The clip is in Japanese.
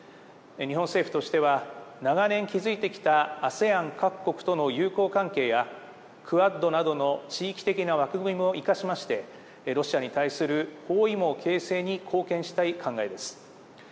日本政府としては、長年築いてきたＡＳＥＡＮ各国との友好関係や、クアッドなどの地域的な枠組みも生かしまして、ロシアに対する包囲網形成に貢献したい考えです。